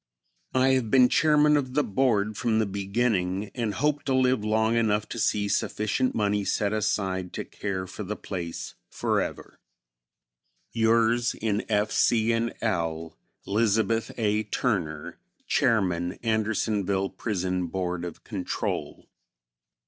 I have been Chairman of the Board from the beginning and hope to live long enough to see sufficient money set aside to care for the place forever. Yours in F. C. and L., LIZABETH A. TURNER, Chairman Andersonville Prison Board of Control."